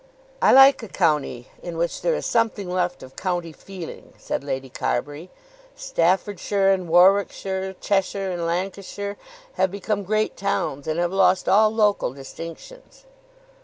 '" "I like a county in which there is something left of county feeling," said Lady Carbury. "Staffordshire and Warwickshire, Cheshire and Lancashire have become great towns, and have lost all local distinctions."